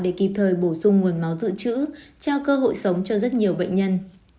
để kịp thời bổ sung nguồn máu dự trữ trao cơ hội sống cho rất nhiều bệnh nhân